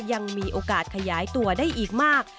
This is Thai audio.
ยังมีโอกาสขยายตัวได้อีกมาก